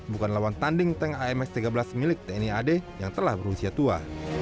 bukan lawan tanding tank ams tiga belas milik tni ad yang telah berusia tua